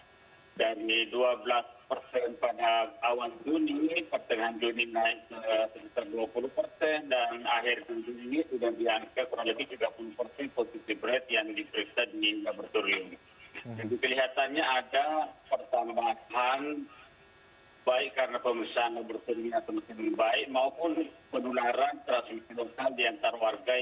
maupun penularan tersebut di antar warga yang ada di sulsel